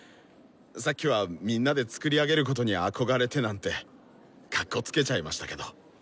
さっきは「みんなで作り上げることに憧れて」なんてかっこつけちゃいましたけど。